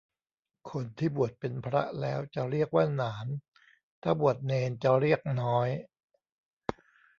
คนที่บวชเป็นพระแล้วจะเรียกว่าหนาน ถ้าบวชเณรจะเรียกน้อย